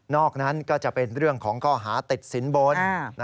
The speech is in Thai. อกนั้นก็จะเป็นเรื่องของข้อหาติดสินบน